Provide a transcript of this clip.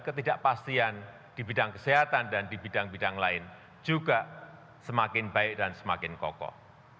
ketidakpastian di bidang kesehatan dan di bidang bidang lain juga semakin baik dan semakin kokoh